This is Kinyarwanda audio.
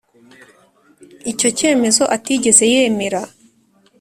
icyo cyemezo atigeze yemera